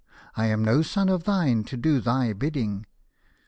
I am no son of thine to do thy bidding."